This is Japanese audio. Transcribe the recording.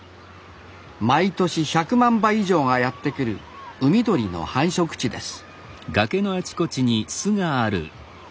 毎年１００万羽以上がやって来る海鳥の繁殖地です